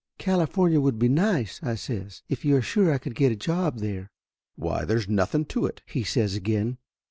"California would be nice," I says, "if you are sure I could get a job there." "Why, there's nothing to it !" he says again.